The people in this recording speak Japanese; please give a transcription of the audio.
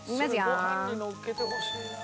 それご飯にのっけてほしいな。